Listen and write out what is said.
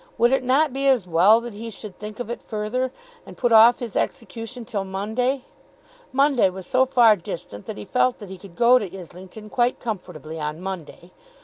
Would it not be well that he should think of it further, and put off his execution till Monday? Monday was so far distant that he felt that he could go to Islington quite comfortably on Monday.